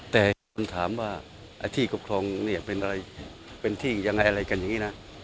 แต่คนถามว่าไอ้ที่ปกครองเนี่ยเป็นอะไรเป็นที่ยังไงอะไรกันอย่างนี้นะ